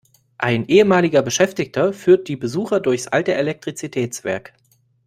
Ein ehemaliger Beschäftigter führt die Besucher durchs alte Elektrizitätswerk.